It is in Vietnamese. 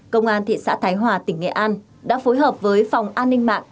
công an thị xã thái hòa tỉnh nghệ an đã phối hợp với phòng an ninh mạng